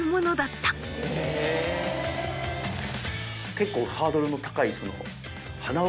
結構ハードルの高い。